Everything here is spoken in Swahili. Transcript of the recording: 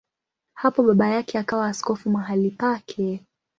Hapo baba yake akawa askofu mahali pake.